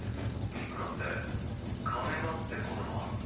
いくらって金がってことか？